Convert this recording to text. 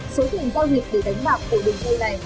số tiền giao dịch để đánh bạc của đường dây này